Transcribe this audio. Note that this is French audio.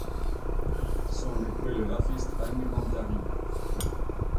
Son époux est le graphiste Hannu Mänttäri.